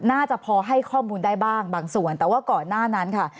น่าจะพอให้ข้อมูลได้บ้างบางส่วนแต่ว่าก่อนหน้านั้นค่ะ